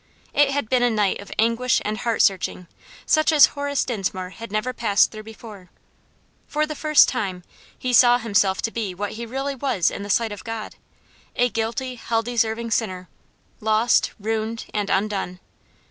It had been a night of anguish and heart searching, such as Horace Dinsmore had never passed through before. For the first time he saw himself to be what he really was in the sight of God, a guilty, hell deserving sinner lost, ruined, and undone.